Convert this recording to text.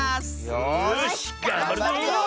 よしがんばるぞ！